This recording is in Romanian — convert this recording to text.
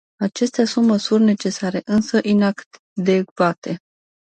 Acestea sunt măsuri necesare, însă inadecvate.